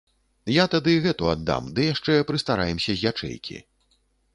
Я тады гэту аддам, ды яшчэ прыстараемся з ячэйкі.